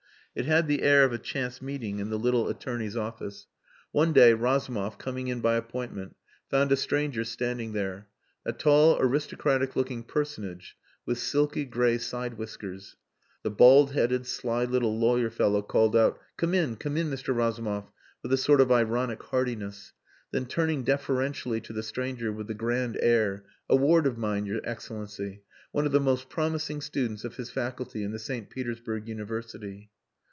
It had the air of a chance meeting in the little attorney's office. One day Razumov, coming in by appointment, found a stranger standing there a tall, aristocratic looking Personage with silky, grey sidewhiskers. The bald headed, sly little lawyer fellow called out, "Come in come in, Mr. Razumov," with a sort of ironic heartiness. Then turning deferentially to the stranger with the grand air, "A ward of mine, your Excellency. One of the most promising students of his faculty in the St. Petersburg University."